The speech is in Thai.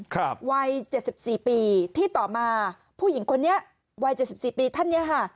ครับวัย๗๔ปีที่ต่อมาผู้หญิงคนนี้วัย๗๔ปีท่านเนี่ย